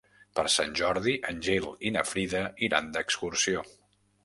Per Sant Jordi en Gil i na Frida iran d'excursió.